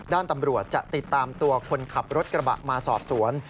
ด้านตำรวจจะติดตามตัวคนขับรถกระบะมาสอบสวน